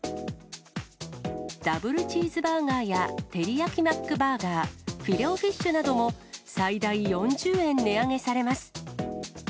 ダブルチーズバーガーやてりやきマックバーガー、フィレオフィッシュなども、最大４０円値上げされます。